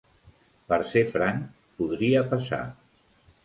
Per ser franc, podria passar.